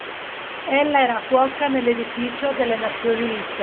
Ella era cuoca nell’edificio delle Nazioni Unite.